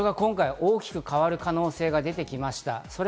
大きく変わる可能性が出てきました。